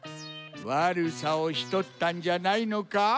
わるさをしとったんじゃないのか？